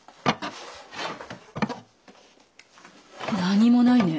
何もないね。